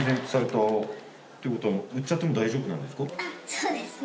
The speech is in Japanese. そうですね。